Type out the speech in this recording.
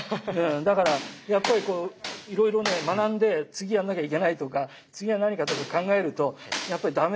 だからやっぱりこういろいろね学んで次やんなきゃいけないとか次は何かとか考えるとやっぱりダメ。